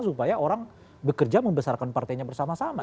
supaya orang bekerja membesarkan partainya bersama sama